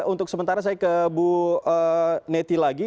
untuk sementara saya ke bu neti lagi